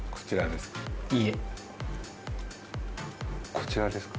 こちらですか？